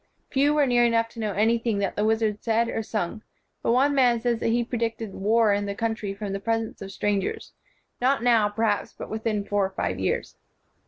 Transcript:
Few were near enough to know anything that the wizard said or sung; but one man says that he predicted war in the country from the presence of strangers, not now, perhaps, but within four or five years."